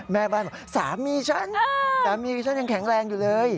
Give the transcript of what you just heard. แม่บ้านบอกสามีฉันสามีฉันยังแข็งแรงอยู่เลย